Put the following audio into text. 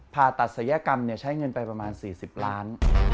ผ่าตัดศัลยกรรมใช้เงินไปประมาณ๔๐ล้าน